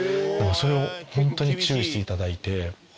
それを本当に注意していただいて。